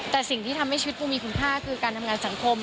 แต่สิ่งที่ทำให้ชีวิตปูมีคุณค่าคือการทำงานสังคม